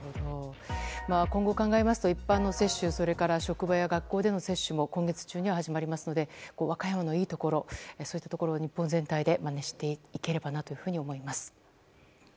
今後を考えますと一般の接種職場や学校での接種も今月中旬には始まりますので和歌山のいいところを日本全体でまねしていければと思います。